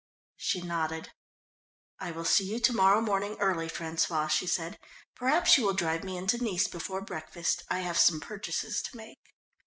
She nodded. "I will see you to morrow morning early, François," she said. "Perhaps you will drive me into Nice before breakfast. I have some purchases to make."